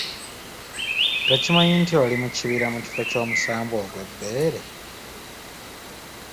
Tokimanyi nti oli mu kibira mu kifo ky'omusambwa ogw'ebbeere.